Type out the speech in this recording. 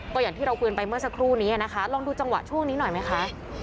ก็อย่างที่เราคุยกันไปเมื่อสักครู่นี้นะคะลองดูจังหวะช่วงนี้หน่อยไหมคะ